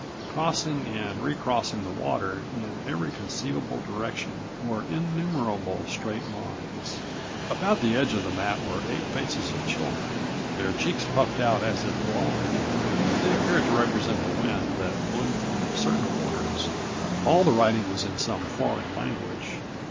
Crossing and recrossing the water in every conceivable direction were innumerable straight lines. About the edge of the map were eight faces of children. Their cheeks puffed out as if blowing, they appeared to represent the wind that blew from certain quarters. All the writing was in some foreign language.